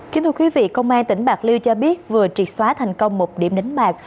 kính thưa quý vị công an tỉnh bạc liêu cho biết vừa triệt xóa thành công một điểm đánh bạc